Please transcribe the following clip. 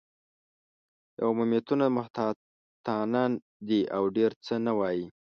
دا عمومیتونه محتاطانه دي، او ډېر څه نه وايي.